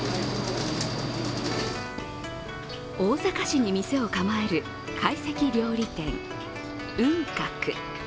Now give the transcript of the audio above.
大阪市に店を構える懐石料理店・雲鶴。